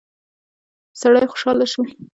سړی خوشاله شو.